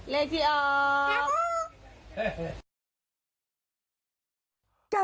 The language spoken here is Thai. เลขที่ออก